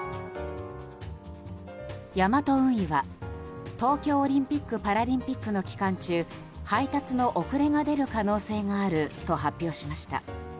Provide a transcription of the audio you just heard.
ヤマト運輸は東京オリンピック・パラリンピックの期間中配達の遅れが出る可能性があると発表しました。